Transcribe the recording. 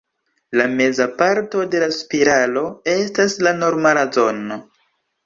La meza parto de la spiralo estas la normala zono.